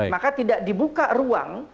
maka tidak dibuka ruang